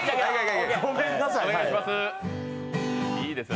お願いします。